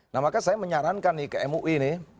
nah maka saya menyarankan nih ke mui ini